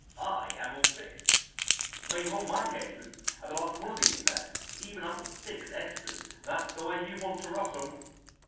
I am all fixed; made all my engagements at the last one of these affairs, even up to six extras. That's the way you want to rustle."